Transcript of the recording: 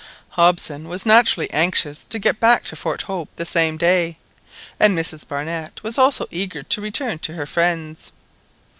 Hobson was naturally anxious to get back to Fort Hope the same day, and Mrs Barnett was also eager to return to her friends.